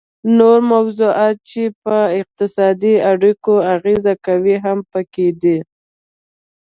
نور موضوعات چې په اقتصادي اړیکو اغیزه کوي هم پکې دي